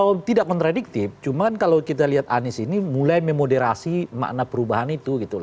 kalau tidak kontradiktif cuman kalau kita lihat anies ini mulai memoderasi makna perubahan itu gitu loh